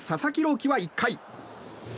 希は１回。